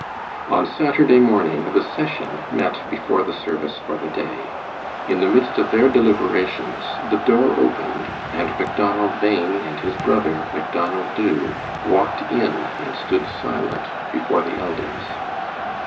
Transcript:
On Saturday morning the session met before the service for the day. In the midst of their deliberations the door opened and Macdonald Bhain and his brother, Macdonald Dubh, walked in and stood silent before the elders.